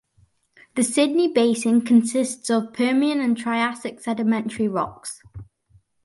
The Sydney Basin consists of Permian and Triassic sedimentary rocks.